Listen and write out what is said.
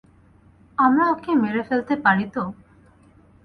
আমরা ওকে মেরে ফেলতে পারি তো!